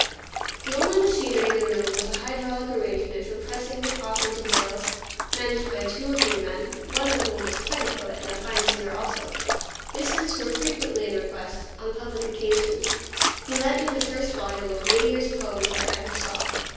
The only machinery in the room was a hydraulic arrangement for pressing the cloth into bales, managed by two or three men, one of whom was quite a poet, and a fine singer also. His hymns were frequently in request, on public occasions. He lent me the first volume of Whittier's poems that I ever saw.